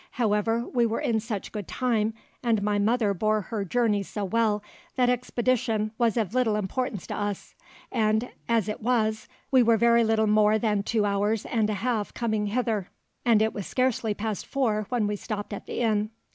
However we were in such good time, and my mother bore her journey so well, that expedition was of little importance to us; and as it was, we were very little more than two hours and a half coming hither, and it was scarcely past four when we stopped at the inn.